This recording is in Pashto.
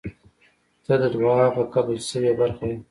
• ته د دعا هغه قبل شوې برخه یې.